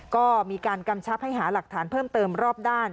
ก็มีการกำชับให้หาหลักฐานเพิ่มเติมรอบด้าน